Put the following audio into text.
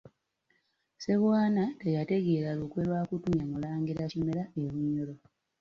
Ssebwana teyategeera lukwe lwa kutumya Mulangira Kimera e Bunyoro.